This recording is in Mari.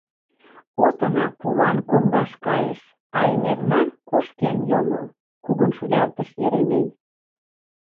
— Отына пулан коҥгаш кайыш, а эҥерна кошкен йомо... — кугун шӱлалтыш Еремей.